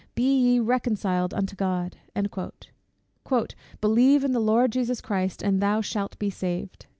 "Be ye reconciled unto God." "Believe in the Lord Jesus Christ, and thou shalt be saved."